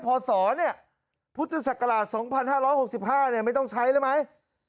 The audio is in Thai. พอสอนเนี่ยพุทธศักราช๒๕๖๕เนี่ยไม่ต้องใช้เลยไหม